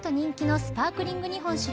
スパークリング日本酒は